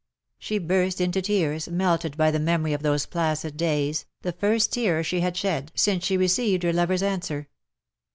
^^ She burst into tears, melted bv the memory of those placid days, the first tears she had shed since she received her lover's answer.